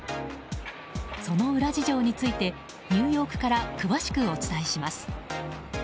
その裏事情についてニューヨークから詳しくお伝えします。